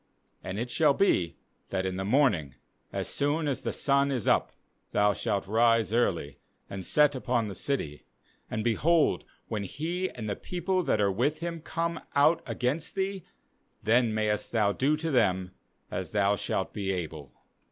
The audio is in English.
^And it shall be, that in the morning, as soon as the sun is up, thou shalt rise early, and set upon the city; and, behold, when he and the people that are with him corne out against thee, then mayest thou do to them as thou shalt be able.'